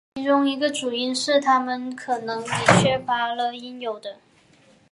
其中一个主因是它们可能已缺乏了应有的。